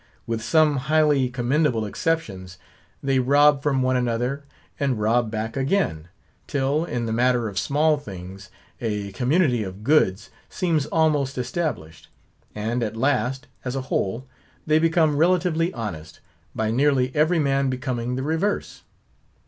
With some highly commendable exceptions, they rob from one another, and rob back again, till, in the matter of small things, a community of goods seems almost established; and at last, as a whole, they become relatively honest, by nearly every man becoming the reverse.